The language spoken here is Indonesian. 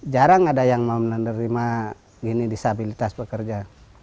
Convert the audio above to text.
jarang ada yang menerima disabilitas pekerja